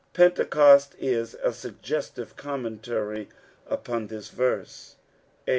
Pentecost is a suggestive commentary upon this verse. 8.